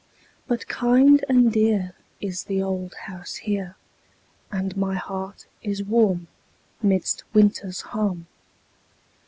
But kind and dear Is the old house here And my heart is warm Midst winter's harm.